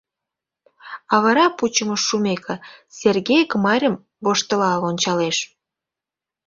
А вара, пучымыш шумеке, Сергей Гмарьым воштылал ончалеш.